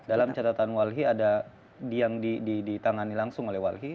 dalam catatan wahi ada yang ditangani langsung oleh wahi